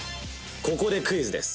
「ここでクイズです」